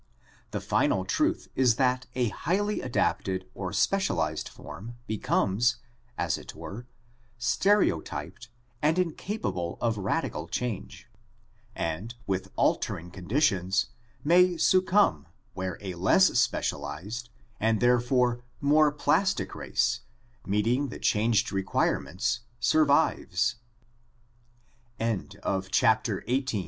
The final truth is that a highly adapted or specialized form becomes, as it were, stereotyped and incapable of radical change, and with altering conditions may succumb where a less specialized and therefore more plastic race, meeting the changed requirements, survive